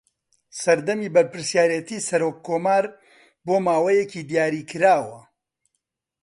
سەردەمی بەرپرسایەتی سەرۆککۆمار بۆ ماوەیەکی دیاریکراوە